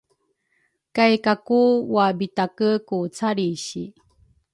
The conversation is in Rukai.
kay Kaku wabitake ku calrisi.